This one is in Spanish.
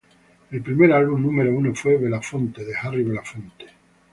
El primer álbum número uno fue "Belafonte" de Harry Belafonte.